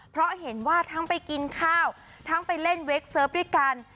เพราะเห็นว่าทั้งไปกินข้าวทั้งไปเล่นเวคเซิร์ฟด้วยกัน